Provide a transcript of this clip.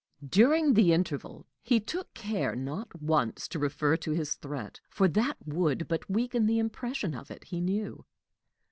During the interval, he took care not once to refer to his threat, for that would but weaken the impression of it, he knew.